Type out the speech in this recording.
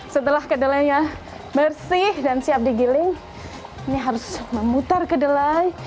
setelah kedelainya bersih dan siap digiling ini harus memutar kedelai